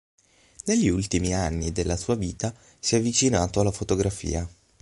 Negli ultimi anni della sua vita si è avvicinato alla fotografia.